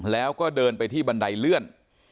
แล้วก็เดินไปที่บันไดเลื่อน